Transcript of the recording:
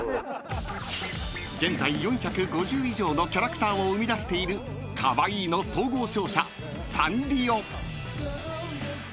［現在４５０以上のキャラクターを生み出しているカワイイの総合商社サンリオ］